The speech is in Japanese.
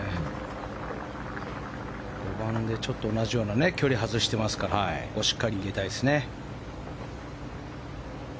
５番で同じような距離を外してますからここをしっかり入れたいですね。